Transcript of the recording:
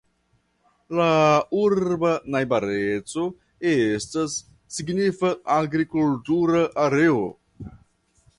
La urba najbareco estas signifa agrikultura areo.